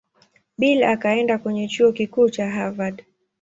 Bill akaenda kwenye Chuo Kikuu cha Harvard.